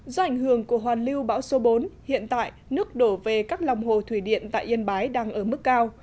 do ảnh hưởng của hoàn lưu bão số bốn hiện tại nước đổ về các lòng hồ thủy điện tại yên bái đang ở mức cao